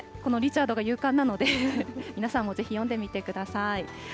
このリチャードが勇敢なので、皆さんもぜひ読んでみてください。